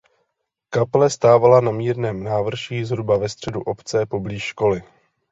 Kaple stávala na mírném návrší zhruba ve středu obce poblíž školy.